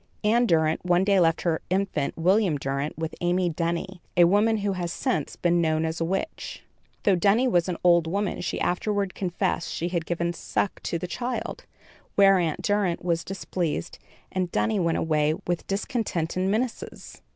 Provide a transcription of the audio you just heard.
Ann Durent one day left her infant, William Durent with Amy Dunny, a woman who has since been known to be a witch. Though Dunny was an old woman, she afterward confessed she had given suck to the child, whereat Durent was displeased and Dunny went away with discontent and menaces.